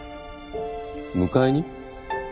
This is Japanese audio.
迎えに？